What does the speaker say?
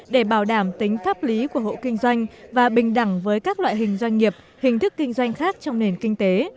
để bảo đảm tính pháp lý của hộ kinh doanh và bình đẳng với các loại hình doanh nghiệp hình thức kinh doanh khác trong nền kinh tế